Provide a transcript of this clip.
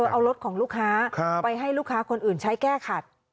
เอารถของลูกค้าไปให้ลูกค้าคนอื่นใช้แก้ขัด